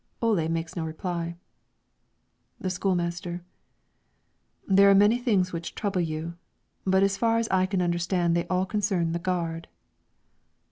Ole makes no reply. The school master: "There are many things which trouble you; but as far as I can understand they all concern the gard."